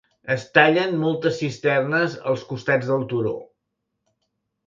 Es tallen moltes cisternes als costats del turó.